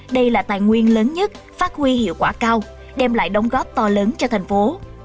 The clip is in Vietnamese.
đây là tài nguyên lớn nhất phát huy hiệu quả cao đem lại đóng góp to lớn cho thành phố